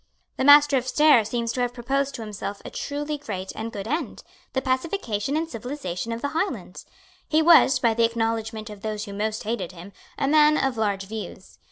The Master of Stair seems to have proposed to himself a truly great and good end, the pacification and civilisation of the Highlands. He was, by the acknowledgment of those who most hated him, a man of large views.